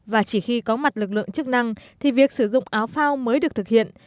và chỉ khi có mặt lực lượng chức năng thì việc sử dụng áo phao mới được thực hiện